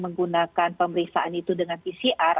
menggunakan pemeriksaan itu dengan pcr